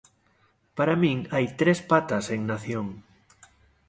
Para min hai tres patas en Nación.